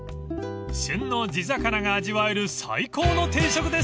［旬の地魚が味わえる最高の定食です］